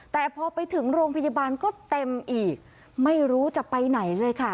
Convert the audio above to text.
แต่พอไปถึงโรงพยาบาลก็เต็มอีกไม่รู้จะไปไหนเลยค่ะ